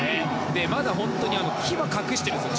まだ本当に牙を隠してるんですよ